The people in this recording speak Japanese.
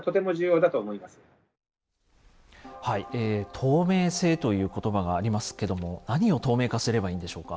「透明性」という言葉がありますけども何を透明化すればいいんでしょうか？